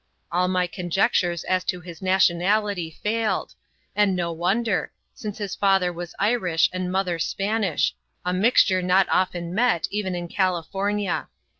All my conjectures as to his nationality failed, and no wonder, since his father was Irish and mother Spanish, a mixture not often met even in California.